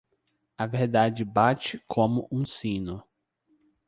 A verdade bate como um sino.